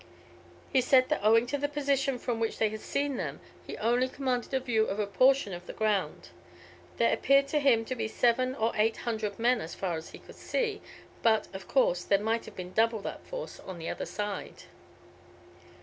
He said that owing to the position from which he had seen them, he only commanded a view of a portion of the ground. There appeared to him to be seven or eight hundred men so far as he could see, but, of course, there might have been double that force on the other side.